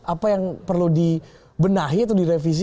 apa yang perlu dibenahi atau direvisi